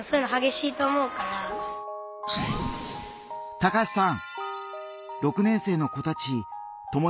高橋さん。